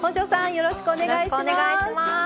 よろしくお願いします。